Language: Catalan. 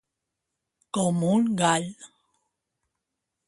Com un gall.